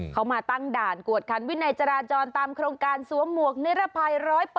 เขามาตั้งด่านกวดคันวินัยจราจรตามโครงการสวมหมวกนิรภัย๑๐๐